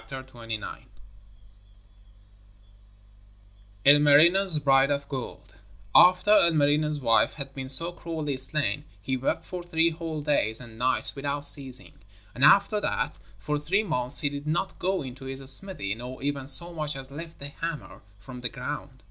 ILMARINEN'S BRIDE OF GOLD After Ilmarinen's wife had been so cruelly slain, he wept for three whole days and nights without ceasing. And after that for three months he did not go into his smithy nor even so much as lift his hammer from the ground.